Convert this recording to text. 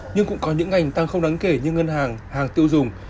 nhưng cũng có những ngành tăng không đáng kể như ngân hàng hàng tiêu dùng